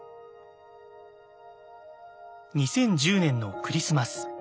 ２０１０年のクリスマス。